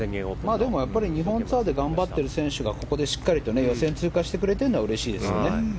でも日本ツアーで頑張ってる選手がここでしっかり予選を通過してくれているのはうれしいですよね。